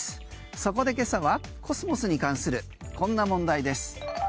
そこで今朝はコスモスに関するこんな問題です。